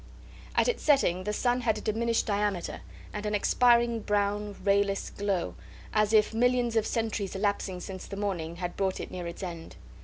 At its setting the sun had a diminished diameter and an expiring brown, rayless glow, as if millions of centuries elapsing since the morning had brought it near its end.